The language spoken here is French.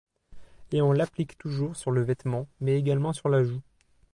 Et on l'applique toujours sur le vêtement, mais également sur la joue.